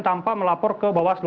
tanpa melapor ke bawaslu